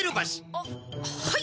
あっはい！